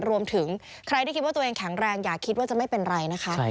รวมถึงใครที่คิดว่าตัวเองแข็งแรงอย่าคิดว่าจะไม่เป็นไรนะคะ